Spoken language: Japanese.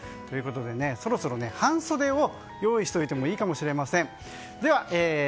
ということで、そろそろ半袖を用意しておいてもいいかもしれません。